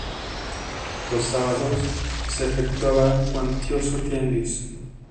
Los sábados se efectuaba cuantioso tianguis.